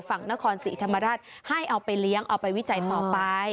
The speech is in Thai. ฝั่งนครศรีธรรมราชให้เอาไปเลี้ยงเอาไปวิจัยต่อไป